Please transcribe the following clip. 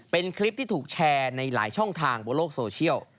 เป็นคลิปที่ถูกแชร์ในหลายช่องทางบนโลกโซเชียล